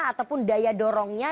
ataupun daya dorongnya